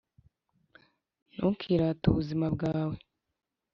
ntukirate ubuzima bwawe,